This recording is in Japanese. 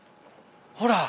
ほら。